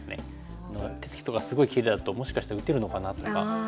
手つきとかすごいきれいだともしかして打てるのかな？とか。